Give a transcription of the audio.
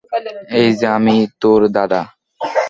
এইযে আমি, তোর দাদা।